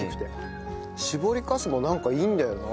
搾りかすもなんかいいんだよな。